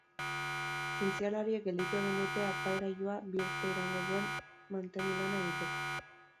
Zientzialariek gelditu egin dute aparailua bi urte iraungo duen mantenu lana egiteko.